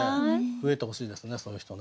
増えてほしいですねそういう人ね。